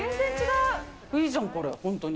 いいじゃん、これ、本当に。